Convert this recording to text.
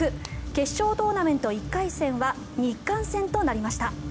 決勝トーナメント１回戦は日韓戦となりました。